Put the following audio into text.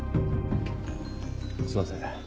すいません。